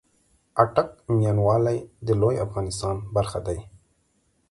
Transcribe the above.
آټک ، ميان والي د لويې افغانستان برخه دې